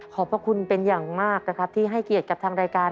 พระคุณเป็นอย่างมากนะครับที่ให้เกียรติกับทางรายการ